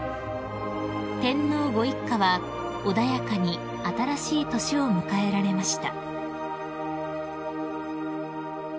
［天皇ご一家は穏やかに新しい年を迎えられました］